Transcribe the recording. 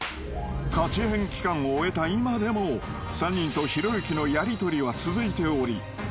［カチヘン期間を終えた今でも３人とひろゆきのやりとりは続いており］